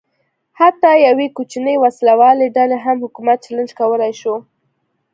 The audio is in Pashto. حتی یوې کوچنۍ وسله والې ډلې هم حکومت چلنج کولای شو.